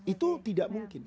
itu tidak mungkin